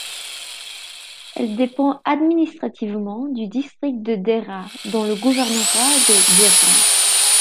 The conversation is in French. Elle dépend administrativement du District de Deraa, dans le gouvernorat de Deraa.